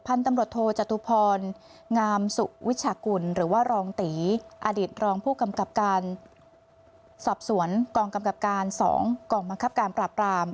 ตำรวจโทจตุพรงามสุวิชากุลหรือว่ารองตีอดีตรองผู้กำกับการสอบสวนกองกำกับการ๒กองบังคับการปราบราม